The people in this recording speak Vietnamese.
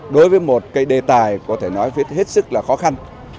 đối với một cái đề tài có thể nói hết sức là khó khăn